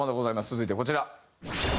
続いてこちら。